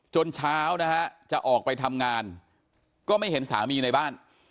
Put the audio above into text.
เช้านะฮะจะออกไปทำงานก็ไม่เห็นสามีในบ้าน